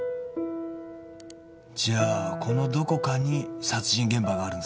じゃあこのどこかに殺人現場があるんですね。